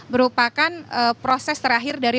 merupakan proses terakhir dari